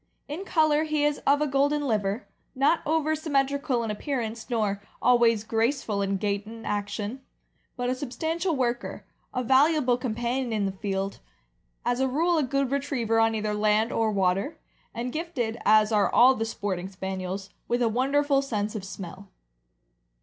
In color he is of a golden liver, not over symmetrical in appearance, nor always graceful in gait and action, but a substantial worker, a valuable com panion in the field, as a rule a good retriever on either land or water, and gifted, as are all the sporting Spaniels, with a wonderful sense of smell.